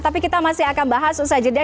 tapi kita masih akan bahas usai jeda